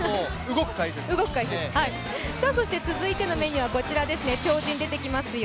続いてのメニューはこちらですね、超人出てきますよ。